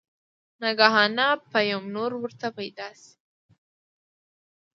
ناګهانه به يو نُور ورته پېدا شي